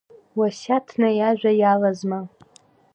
Уасиаҭны иажәа иалазма?